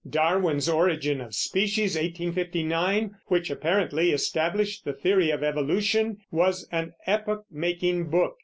Darwin's Origin of Species (1859), which apparently established the theory of evolution, was an epoch making book.